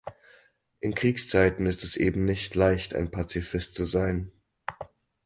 In Kriegszeiten ist es eben nicht leicht, ein Pazifist zu sein.